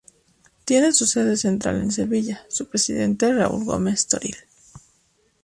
Tiene su sede central en Sevilla, su presidente Raul Gomez Toril.